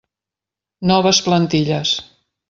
Noves plantilles.